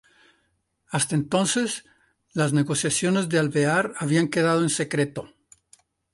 Hasta entonces, las negociaciones de Alvear habían quedado en secreto.